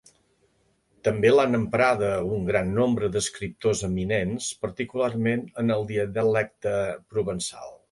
També l'han emprada un gran nombre d'escriptors eminents, particularment en el dialecte provençal.